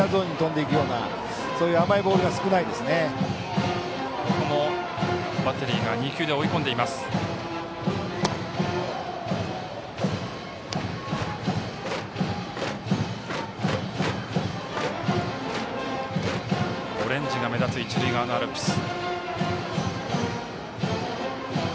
オレンジが目立つ一塁側のアルプス。